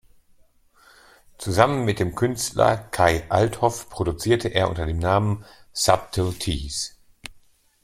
Zusammen mit dem Künstler Kai Althoff produzierte er unter dem Namen "Subtle Tease".